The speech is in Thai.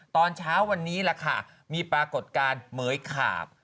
ตอนเช้าวันนี้ล่ะค่ะมีปรากฏการณ์เหมือยขาบ